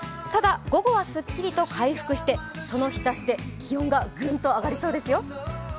ただ、午後はすっきりと回復してその日ざしで気温がぐんと上がりそうですよ。